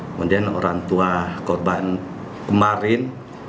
kemudian orang tua korban kemarin